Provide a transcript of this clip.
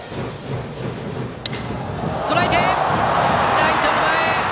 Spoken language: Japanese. ライトの前。